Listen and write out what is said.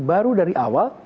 baru dari awal